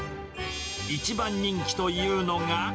一番人気というのが。